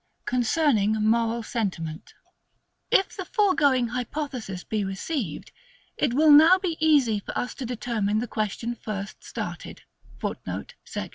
CONCERNING MORAL SENTIMENT IF the foregoing hypothesis be received, it will now be easy for us to determine the question first started, [FOOTNOTE: Sect.